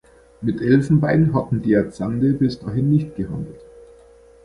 Mit Elfenbein hatten die Azande bis dahin nicht gehandelt.